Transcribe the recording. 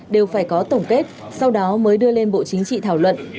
đều phải có tổng kết sau đó mới đưa lên bộ chính trị thảo luận